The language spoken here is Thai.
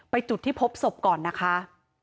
จุดที่พบศพก่อนนะคะ